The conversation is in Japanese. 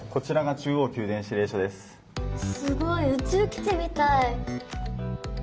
すごい宇宙基地みたい。